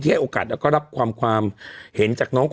นี่แต่ไปดูว่าคุณเอกขวัญกลับช่องเจ็ด